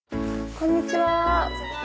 こんにちは。